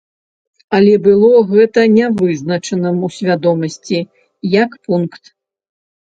Але было гэта нявызначаным у свядомасці, як пункт.